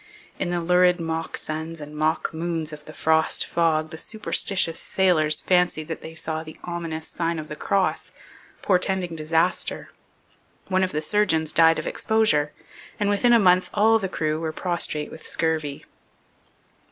In the lurid mock suns and mock moons of the frost fog the superstitious sailors fancied that they saw the ominous sign of the Cross, portending disaster. One of the surgeons died of exposure, and within a month all the crew were prostrate with scurvy.